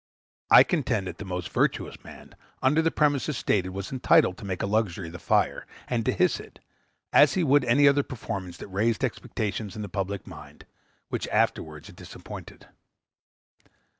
I contend that the most virtuous man, under the premises stated, was entitled to make a luxury of the fire, and to hiss it, as he would any other performance that raised expectations in the public mind, which afterwards it disappointed.